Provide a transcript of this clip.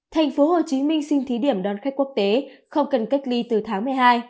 thành phố hồ chí minh xin thí điểm đón khách quốc tế không cần cách ly từ tháng một mươi hai